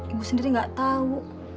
ibu sendiri nggak tahu